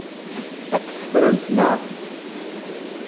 Ad t-teffremt, naɣ?